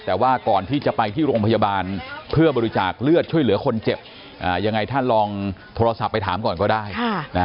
แต่ว่าก่อนที่จะไปที่โรงพยาบาลเพื่อบริจาคเลือดช่วยเหลือคนเจ็บยังไงท่านลองโทรศัพท์ไปถามก่อนก็ได้